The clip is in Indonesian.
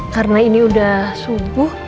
karena ini udah subuh